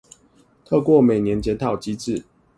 透過每年檢討機制